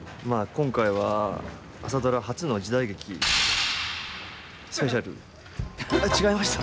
今回は「朝ドラ」初の時代劇スペシャルあっ違いました？